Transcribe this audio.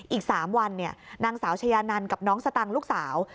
อีก๓วันนางสาวชายานันกับน้องสตังค์ลูกสาว